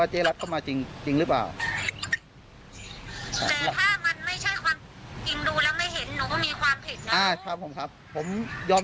ให้มันเยี่ยม